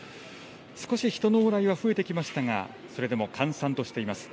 少し人の往来は増えてきましたが、それでも閑散としています。